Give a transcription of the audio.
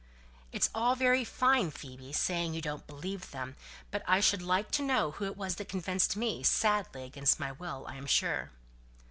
"It's all very fine, Phoebe, saying you don't believe them, but I should like to know who it was that convinced me, sadly against my will, I am sure."